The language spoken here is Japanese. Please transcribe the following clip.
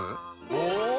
お！